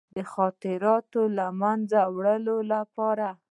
د خطراتو له منځه وړلو لپاره.